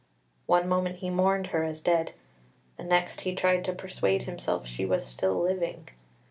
One moment he mourned her as dead; the next he tried to persuade himself she was still living.